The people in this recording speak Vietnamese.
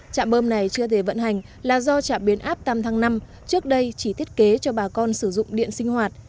trạm bơm này chưa thể vận hành là do trạm biến áp tam tháng năm trước đây chỉ thiết kế cho bà con sử dụng điện sinh hoạt